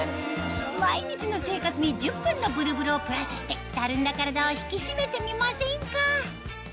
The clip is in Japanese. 毎日の生活に１０分のブルブルをプラスしてたるんだ体を引き締めてみませんか？